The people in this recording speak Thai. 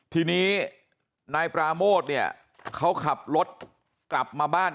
ทีนี้นายปราโมทเนี่ยเขาขับรถกลับมาบ้าน